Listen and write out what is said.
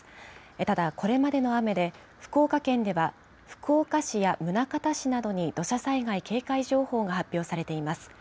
ただ、これまでの雨で、福岡県では、福岡市や宗像市などに、土砂災害警戒情報が発表されています。